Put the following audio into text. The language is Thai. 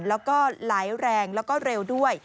และก็ไหลแลงแล้วก็เร็ว